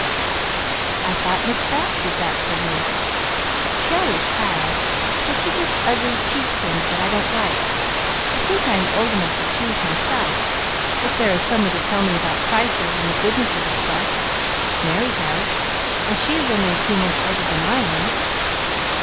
"I thought Miss Bat did that for you." "She always has, but she gets ugly, cheap things that I don't like. I think I am old enough to choose myself, if there is someone to tell me about prices and the goodness of the stuff. Merry does; and she is only a few months older than I am."